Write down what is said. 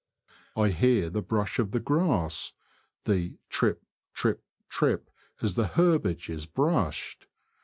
I hear the brush of the grass, the trip, trip, trip, as the herbage is brushed.